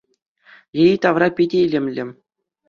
Йӗри-тавра питӗ илемлӗ.